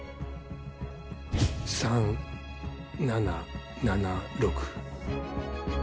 ３７７６。